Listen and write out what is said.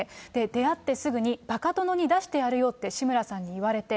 出会ってすぐに、バカ殿に出してやるよって志村さんに言われて。